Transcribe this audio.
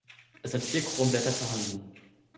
Es sind vier Kronblätter vorhanden.